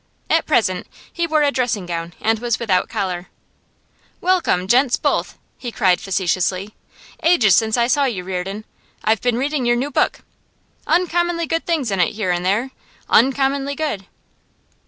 At present he wore a dressing gown and was without collar. 'Welcome, gents both!' he cried facetiously. 'Ages since I saw you, Reardon. I've been reading your new book. Uncommonly good things in it here and there uncommonly good.